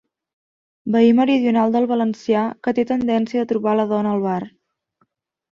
Veí meridional del valencià que té tendència de trobar la dona al bar.